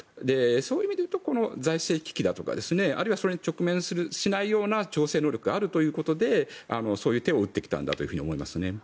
そういう意味でいうと財政危機だとかあるいはそれに直面しないような調整能力があるということでそういう手を打ってきたんだと思いますね。